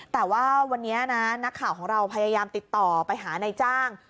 แต่ว่าวันนี้นะนักข่าวของเราพยายามติดต่อไปหานายจ้าง